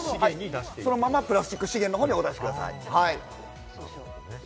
そのままプラスチック資源にお出しください。